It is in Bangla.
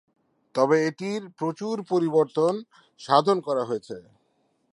তবে এটির প্রচুর পরিবর্তন সাধন করা হয়েছে।